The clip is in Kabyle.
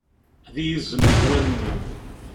Ad iyi-zzment wallen-iw.